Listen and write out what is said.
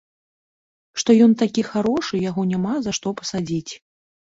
Што ён такі харошы, яго няма за што пасадзіць?